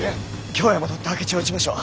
京へ戻って明智を討ちましょう。